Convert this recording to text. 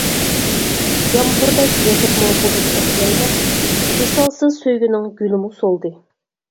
يامغۇردەك يېغىپمۇ بۇلۇتتەك لەيلەپ، ۋىسالسىز سۆيگۈنىڭ گۈلىمۇ سولدى.